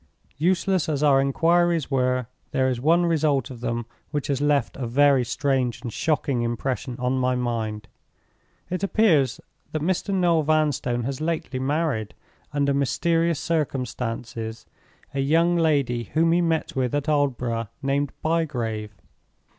"Useless as our inquiries were, there is one result of them which has left a very strange and shocking impression on my mind. "It appears that Mr. Noel Vanstone has lately married, under mysterious circumstances, a young lady whom he met with at Aldborough, named Bygrave.